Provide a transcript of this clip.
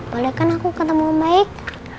boleh kan aku ketemu baik